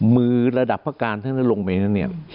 มือระดับพระการทั้งนั้นลงไปเนี่ย